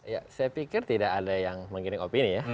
ya saya pikir tidak ada yang menggiring opini ya